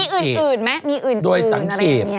มีอื่นไหมมีอื่นอะไรอย่างนี้